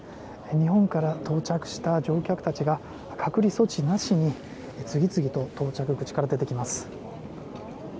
日本から到着した乗客たちが隔離措置なしに次々と到着口から出てきます。